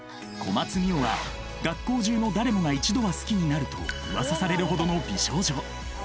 小松澪は学校中の誰もが一度は好きになるとうわさされるほどの美少女。